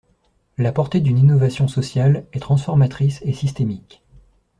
La portée d’une innovation sociale est transformatrice et systémique.